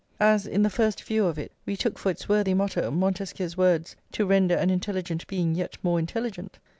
As, in the first view of it, we took for its worthy motto Montesquieu's words: "To render an intelligent being yet more intelligent!"